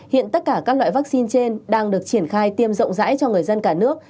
hiện tất cả các loại vaccine trên đang được triển khai tiêm rộng rãi cho người dân cả nước